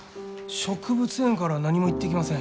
植物園からは何も言ってきません。